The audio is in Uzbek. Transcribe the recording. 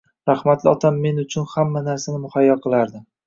Rahmatli otam men uchun hamma narsani muhayyo qilardi